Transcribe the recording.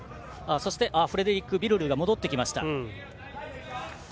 そしてフレデリック・ビルルーが戻ってきました。